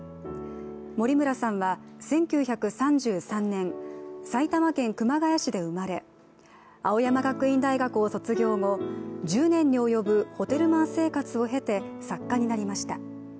森村さんは１９３３年、埼玉県熊谷市で生まれ青山学院大学を卒業後、１０年年に及ぶホテルマン生活を経て作家になりました。